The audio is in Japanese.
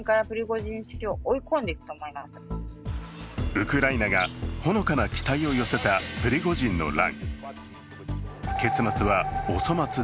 ウクライナがほのかな期待を寄せたプリゴジンの乱。